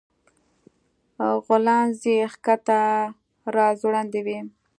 غولانځې يې ښکته راځوړندې وې